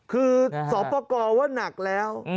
คือสอบประกอบว่านักแล้ว